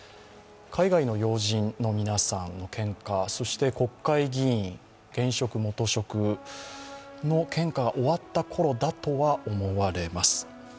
海外の要人の皆さんの献花そして国会議員、現職、元職の献花が終わったころだとは思われます。